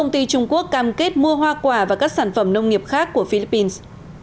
ty trung quốc cam kết mua hoa quả và các sản phẩm nông nghiệp khác của philippines